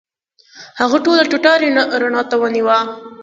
هغه هره ټوټه رڼا ته ونیوله.